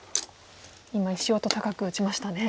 今石音高く打ちましたね。